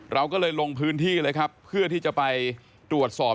เราก็เลยลงพื้นที่เลยครับเพื่อที่จะไปตรวจสอบ